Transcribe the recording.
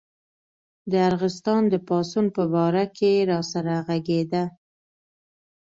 د ارغستان د پاڅون په باره کې راسره غږېده.